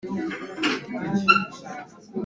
aturonkera ingoma n’inganji